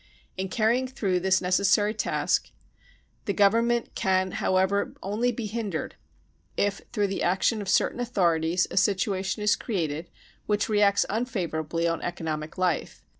In carrying through this necessary task the Government can how ever only be hindered, if through the action of certain authorities a situation is created which reacts unfavour ably on economic life.